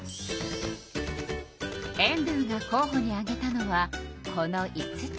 エンドゥが候ほに挙げたのはこの５つ。